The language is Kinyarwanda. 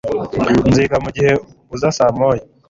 Nziga mugihe uza saa moya